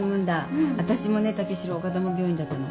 私もね武四郎丘珠病院だったの。